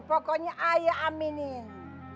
pokoknya ayah aminin